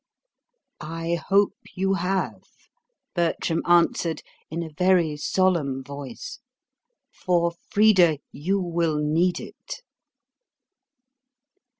"I hope you have," Bertram answered, in a very solemn voice; "for, Frida, you will need it."